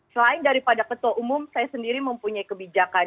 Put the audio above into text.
selain daripada ketua umum saya sendiri mempunyai kebijakan